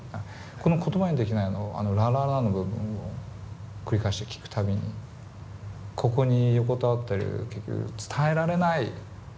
この「言葉にできない」の「ｌａｌａｌａ」の部分繰り返して聴く度にここに横たわってる伝えられない感情は何なのか。